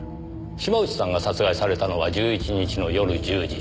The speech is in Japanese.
島内さんが殺害されたのは１１日の夜１０時。